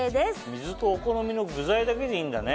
水とお好みの具材だけでいいんだね。